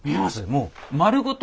もう丸ごと